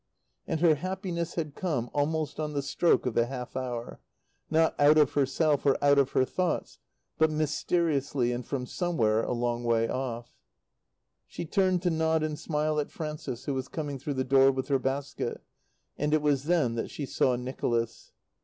And her happiness had come, almost on the stroke of the half hour, not out of herself or out of her thoughts, but mysteriously and from somewhere a long way off. She turned to nod and smile at Frances who was coming through the door with her basket, and it was then that she saw Nicholas.